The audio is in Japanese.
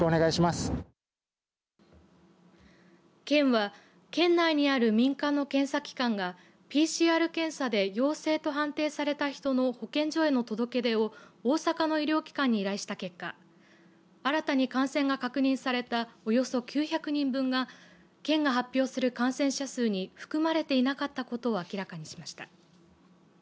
県は県内にある民間の検査機関がＰＣＲ検査で陽性と判定された人の保健所への届け出を大阪の医療機関に依頼した結果新たに感染が確認されたおよそ９００人分が県が発表する感染者数に含まれていなかったことを明らかにしました。